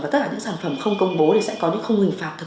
và tất cả những sản phẩm không công bố thì sẽ có những không hình phạt